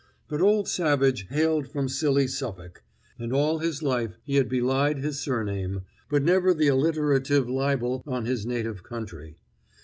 But old Savage hailed from silly Suffolk, and all his life he had belied his surname, but never the alliterative libel on his native country.